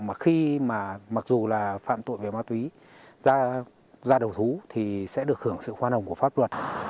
mà khi mà mặc dù là phạm tội về ma túy ra đầu thú thì sẽ được hưởng sự khoan hồng của pháp luật